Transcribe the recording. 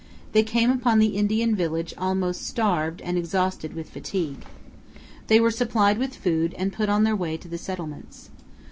They came upon the Indian village almost starved and exhausted with fatigue. They were supplied with food and put on their way to the settlements.